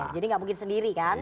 jadi tidak mungkin sendiri kan